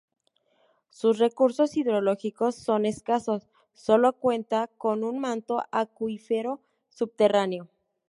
Sus recursos hidrológicos son escasos, sólo cuenta con un manto acuífero subterráneo.